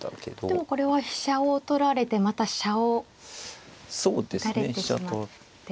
でもこれは飛車を取られてまた飛車を打たれてしまって。